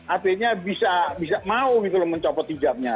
atletnya bisa bisa mau gitu loh mencopot hijabnya